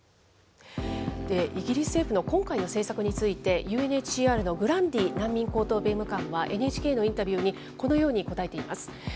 イギリス政府の今回の政策について、ＵＮＨＣＲのグランディ難民高等弁務官は、ＮＨＫのインタビューにこのように答えています。